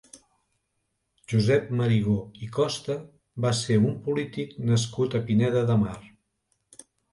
Josep Marigó i Costa va ser un polític nascut a Pineda de Mar.